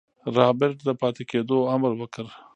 رابرټ د پاتې کېدو امر وکړ.